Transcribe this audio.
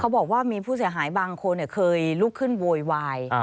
บอกว่ามีผู้เสียหายบางคนเคยลุกขึ้นโวยวาย